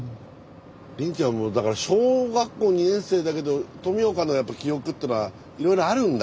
凜ちゃんもだから小学校２年生だけど富岡の記憶っていうのはいろいろあるんだ？